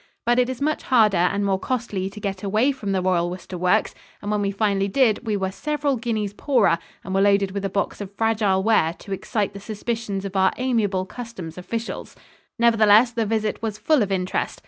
But it is much harder and more costly to get away from the Royal Worcester Works, and when we finally did we were several guineas poorer and were loaded with a box of fragile ware to excite the suspicions of our amiable customs officials. Nevertheless, the visit was full of interest.